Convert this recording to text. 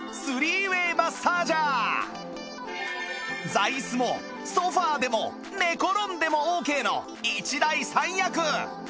座椅子もソファでも寝転んでもオーケーの１台３役